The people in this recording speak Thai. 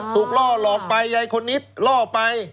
ถูกล่อหลอกไปใหญ่คนนิศล่อไป